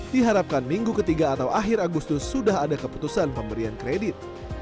diharapkan minggu ketiga atau akhir agustus sudah ada keputusan pemberian kredit